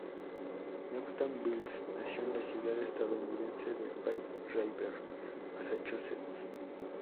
Newton Bliss nació en la ciudad estadounidense de Fall River, Massachusetts.